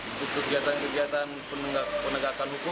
untuk kegiatan kegiatan penegakan hukum